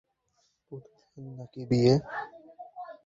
পুতুলের বিয়ে নাকি।